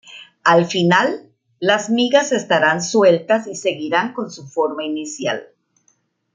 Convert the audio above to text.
Al final, las migas estarán sueltas y seguirán con su forma inicial.